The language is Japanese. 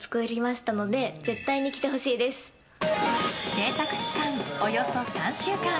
制作期間、およそ３週間。